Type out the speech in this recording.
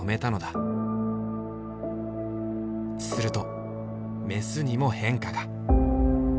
するとメスにも変化が。